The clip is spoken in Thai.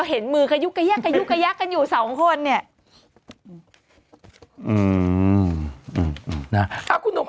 เห็นมือกายุกายุกายากกันอยู่สองคน